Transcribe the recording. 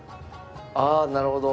ああなるほど。